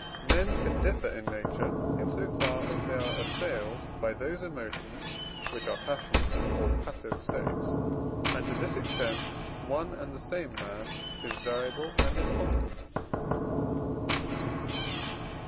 Men can differ in nature, in so far as they are assailed by those emotions, which are passions, or passive states; and to this extent one and the same man is variable and inconstant.